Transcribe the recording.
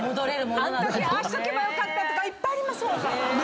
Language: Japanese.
あのときああしとけばよかったとかいっぱいありますもん。